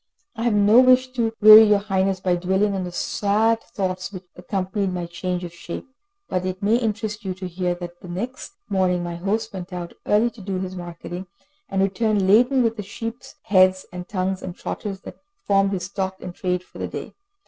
I have no wish to weary your Highness by dwelling on the sad thoughts which accompanied my change of shape, but it may interest you to hear that the next morning my host went out early to do his marketing, and returned laden with the sheep's heads, and tongues and trotters that formed his stock in trade for the day.